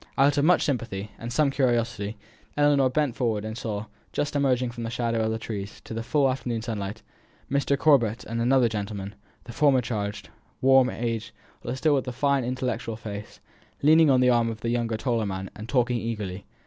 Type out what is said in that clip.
Out of much sympathy, and some curiosity, Ellinor bent forward, and saw, just emerging from the shadow of the trees on to the full afternoon sunlit pavement, Mr. Corbet and another gentleman; the former changed, worn, aged, though with still the same fine intellectual face, leaning on the arm of the younger taller man, and talking eagerly.